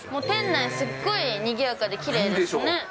店内すっごいにぎやかできれいですね。